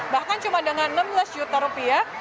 bahkan cuma dengan enam belas juta rupiah